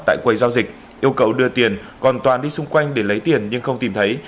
tại quầy giao dịch yêu cầu đưa tiền còn toàn đi xung quanh để lấy tiền nhưng không tìm thấy